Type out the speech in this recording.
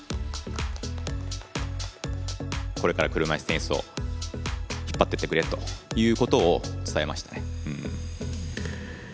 これから車いすテニスを引っ張っていってくれっていうことを伝えましたね。